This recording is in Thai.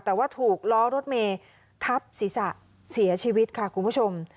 แต่ว่าถูกล้อรถเมย์ทับศีรษะเสียชีวิตค่ะคุณผู้ชม